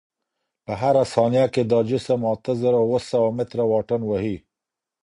په هره ثانیه کې دا جسم اته زره اوه سوه متره واټن وهي.